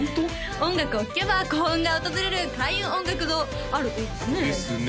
音楽を聴けば幸運が訪れる開運音楽堂あるといいですねですね